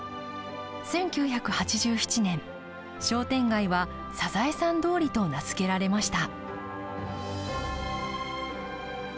１９８７年、商店街はサザエさん通りと名付けられました。